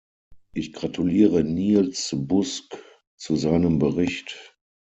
Ich gratuliere Niels Busk zu seinem Bericht.